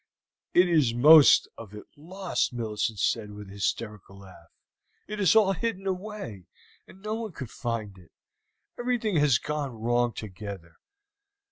"It is most of it lost," Millicent said with an hysterical laugh. "It is all hidden away, and no one can find it; everything has gone wrong together."